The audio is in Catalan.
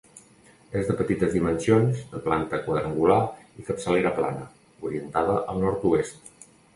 És de petites dimensions, de planta quadrangular i capçalera plana, orientada al nord-oest.